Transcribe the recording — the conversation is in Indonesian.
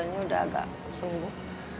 ini udah agak sembuh